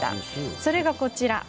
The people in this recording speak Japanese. それがこちらです。